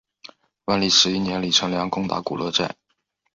万历十一年李成梁攻打古勒寨。